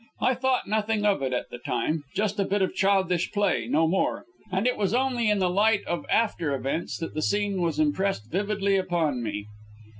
I thought nothing of it at the time just a bit of childish play, no more; and it was only in the light of after events that the scene was impressed vividly upon me.